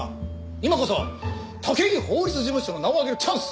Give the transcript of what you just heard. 今こそ武井法律事務所の名を上げるチャンス。